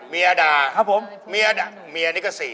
เมียตร่าครับผมเมียตร่าเมียนี้ก็๔